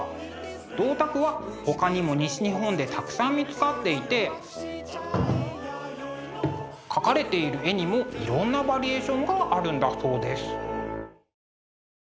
銅鐸はほかにも西日本でたくさん見つかっていて描かれている絵にもいろんなバリエーションがあるんだそうです。